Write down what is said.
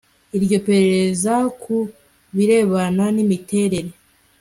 iryo perereza ku birebana n imiterere